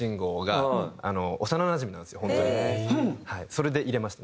それで入れました